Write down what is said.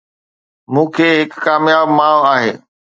مون کي هڪ ڪامياب ماء آهي